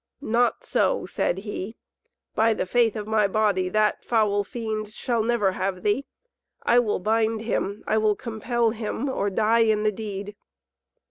"Not so," said he, "by the faith of my body that foul fiend shall never have thee. I will bind him, I will compel him, or die in the deed."